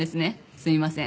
すいません。